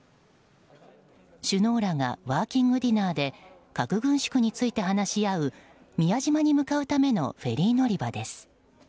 首脳らがワーキングディナーで核軍縮について話し合う宮島に向かうためのフェリー乗り場です。